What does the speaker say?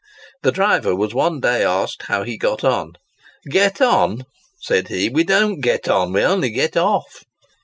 The driver was one day asked how he got on? "Get on?" said he, "we don't get on; we only get off!"